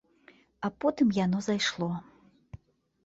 А потым яно зайшло.